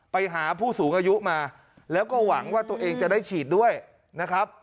ไปหาผู้สูงอายุมาแล้วก็หวังว่าตัวเองจะได้ฉีดด้วยนะครับ